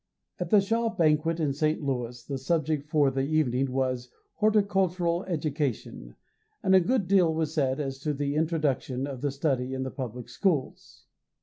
At the Shaw banquet in St. Louis the subject for the evening was "Horticultural Education," and a good deal was said as to the introduction of the study in the public schools.